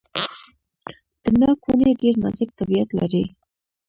د ناک ونې ډیر نازک طبیعت لري.